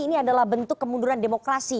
ini adalah bentuk kemunduran demokrasi